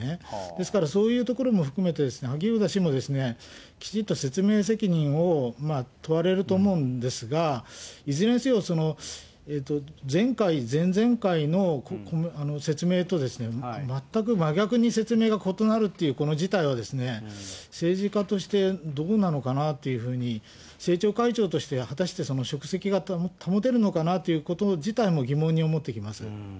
ですから、そういうところも含めて、萩生田氏もきちんと説明責任を問われると思うんですが、いずれにせよ、前回、前々回の説明と、全く真逆に説明が異なるっていうこの事態は、政治家としてどうなのかなというふうに、政調会長として、果たして職責が保てるのかなということ自体も疑問に思ってきます。